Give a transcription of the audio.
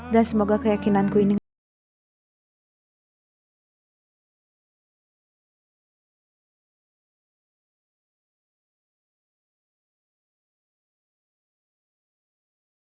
dan semoga keyakinanku ini enggak baru baru lagi